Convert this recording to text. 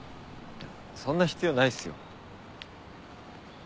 そんな必要ないっすよ。